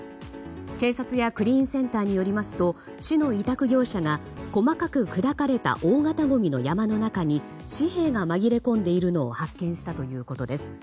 警察やクリーンセンターによりますと市の委託業者が細かく砕かれた大型ごみの山の中に紙幣が紛れ込んでいるのを発見したということです。